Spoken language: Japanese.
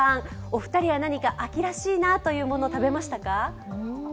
お二人は何か秋らしいなというもの、食べましたか？